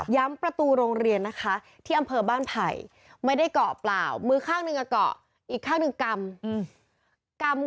ประตูโรงเรียนนะคะที่อำเภอบ้านไผ่ไม่ได้เกาะเปล่ามือข้างหนึ่งเกาะอีกข้างหนึ่งกำ